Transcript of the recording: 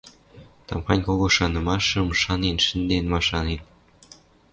Тамахань кого шанымашым шанен шӹнден машанет.